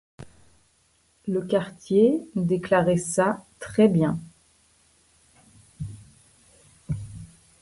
Le quartier déclarait ça très bien.